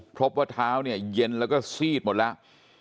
พบว่าเท้าเนี่ยเย็นแล้วก็ซีดหมดแล้ว